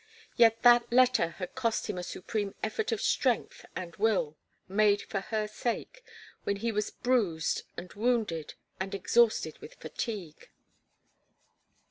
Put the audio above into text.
Yet that letter had cost him a supreme effort of strength and will, made for her sake, when he was bruised and wounded and exhausted with fatigue.